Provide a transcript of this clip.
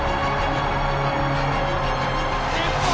日本！